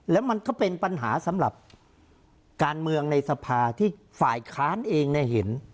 แล้วมันก็เป็นปัญหาสำหรับการเมืองในสภาที่ฝ่ายค้านเองเห็น